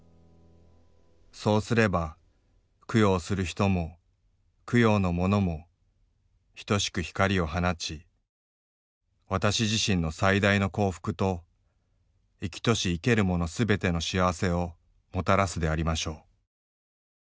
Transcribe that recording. そうすれば供養する人も供養の物も等しく光を放ち私自身の最大の幸福と生きとし生けるものすべての幸せをもたらすでありましょう。